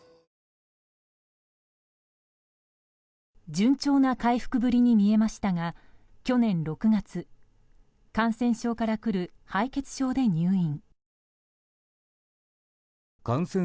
順調な回復ぶりに見えましたが去年６月感染症から来る敗血症で入院。